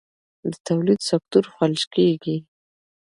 د تولید سکتور فلج کېږي.